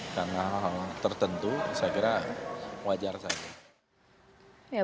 karena hal hal tertentu saya kira wajar saja